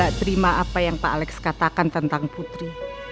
saya terima apa yang pak alex katakan tentang putri